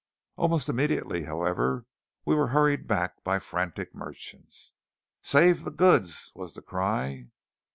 Almost immediately, however, we were hurried back by frantic merchants. "Save the goods!" was the cry.